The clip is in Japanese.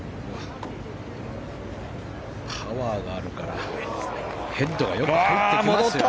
パワーがあるからヘッドがよく返ってきますよ。